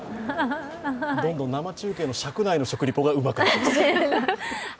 どんどん生中継の尺内のリポートがうまくなりますね。